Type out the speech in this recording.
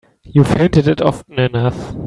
You've hinted it often enough.